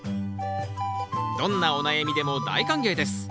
どんなお悩みでも大歓迎です。